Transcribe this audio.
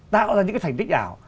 tạo ra những cái thành tích ảo